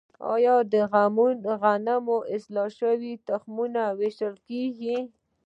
آیا د غنمو اصلاح شوی تخم ویشل کیږي؟